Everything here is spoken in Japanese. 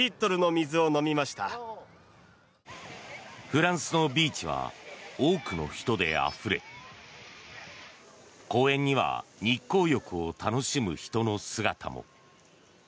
フランスのビーチは多くの人であふれ公園には日光浴を楽しむ人の姿も。